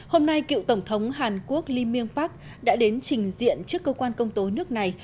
hôm nay cựu tổng thống hàn quốc lee myung park đã đến trình diện trước cơ quan công tố nước này